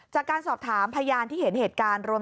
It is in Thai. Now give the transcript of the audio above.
จากการสอบถามพยานที่เห็นเหตุการณ์รวม